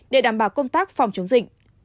để đảm bảo công tác phòng chống dịch